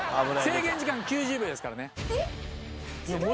制限時間９０秒ですからね。